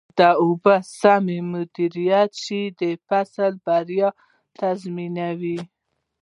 د اوبو سم مدیریت د فصل بریا تضمینوي.